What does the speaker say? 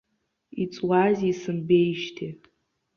Иҵуазеи исымбеижьҭеи!